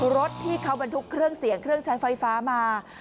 รถที่เขาบรรทุกเครื่องเสียงเครื่องใช้ไฟฟ้ามา